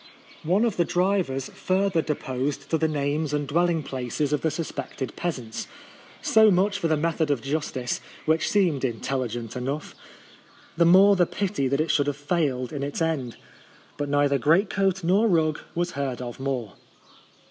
One of the drivers 5G4 A Rule across the Peloponncse. [May further deposed to the names and dwelling places of the suspected peasants. So much for the method of justice, which seemed intelligent enough. The more the pity that it should have failed in its end. But neither greatcoat nor rug was heard of more.